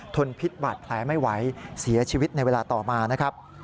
นพิษบาดแผลไม่ไหวเสียชีวิตในเวลาต่อมานะครับ